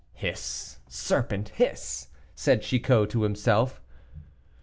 "Hiss, serpent, hiss," said Chicot to himself.